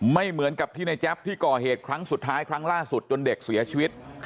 ไม่เหมือนกับที่ในแจ๊บที่ก่อเหตุครั้งสุดท้ายครั้งล่าสุดจนเด็กเสียชีวิต